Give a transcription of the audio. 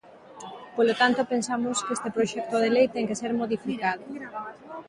Polo tanto, pensamos que este proxecto de lei ten que ser modificado.